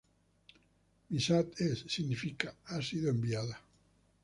Missa est: significa "ha sido enviada".